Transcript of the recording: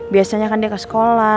biasanya kan dia ke sekolah